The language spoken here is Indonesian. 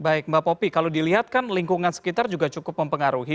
baik mbak popi kalau dilihat kan lingkungan sekitar juga cukup mempengaruhi